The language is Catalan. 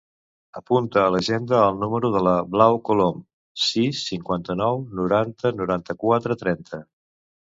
Apunta a l'agenda el número de la Blau Colom: sis, cinquanta-nou, noranta, noranta-quatre, trenta.